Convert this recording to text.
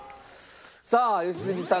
さあ良純さん